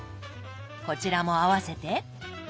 こちらも合わせて。